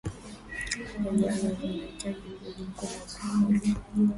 shajara zinahitaji ujuzi mkubwa wa kuhoji